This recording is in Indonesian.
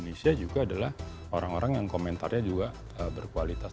indonesia juga adalah orang orang yang komentarnya juga berkualitas